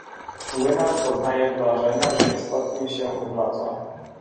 Młynarz doznaje wrażenia, że istotnie się obraca.